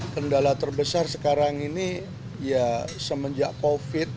kendala terbesar sekarang ini ya semenjak covid